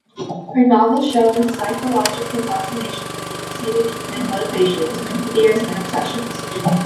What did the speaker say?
Her novels show "a psychological fascination with deep-seated human motivations, fears and obsessions".